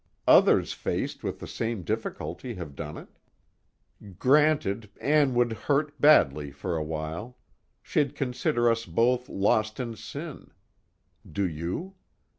Others faced with the same difficulty have done it. "Granted, Ann would be hurt badly, for a while. She'd consider us both lost in sin. (Do you?)